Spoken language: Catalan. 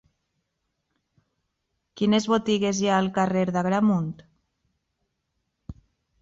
Quines botigues hi ha al carrer d'Agramunt?